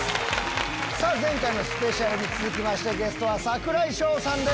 前回のスペシャルに続きましてゲストは櫻井翔さんです。